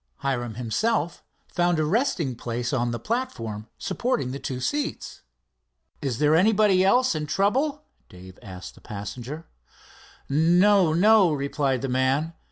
Hiram himself found a resting place on the platform supporting the two seats. "Is there anybody else in trouble?" Dave asked of their passenger. "No, no," replied the man.